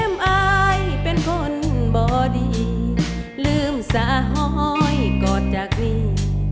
อายเป็นคนบ่ดีลืมสาหอยกอดจากรี